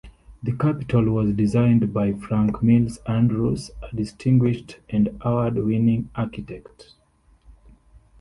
The capitol was designed by Frank Mills Andrews, a distinguished and award-winning architect.